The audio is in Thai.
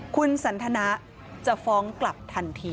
คุณสันทนะจะฟ้องกลับทันที